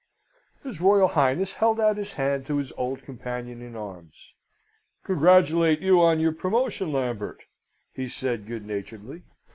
His Royal Highness held out his hand to his old companion in arms. "Congratulate you on your promotion, Lambert," he said good naturedly.